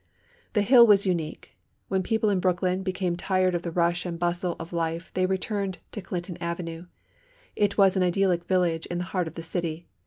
"The Hill" was unique. When people in Brooklyn became tired of the rush and bustle of life they returned to Clinton Avenue. It was an idyllic village in the heart of the city.